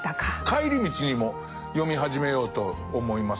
帰り道にも読み始めようと思います。